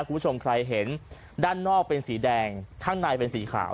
คุณผู้ชมใครเห็นด้านนอกเป็นสีแดงข้างในเป็นสีขาว